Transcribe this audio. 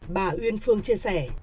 bà nguyên phương chia sẻ